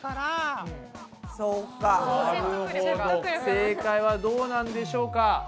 正解はどうなんでしょうか？